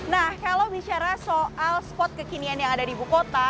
nah kalau bicara soal spot kekinian yang ada di ibu kota